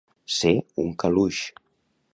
Ser un caluix.